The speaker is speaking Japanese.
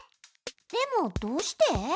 でもどうして？